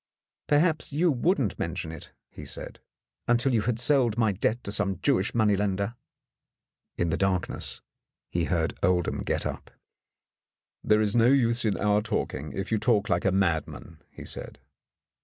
"Perhaps you wouldn't mention it," he said, "until you had sold my debt to some Jewish money lender." In the darkness he heard Oldham get up. "There is no use in our talking,, if you talk like a madman," he said.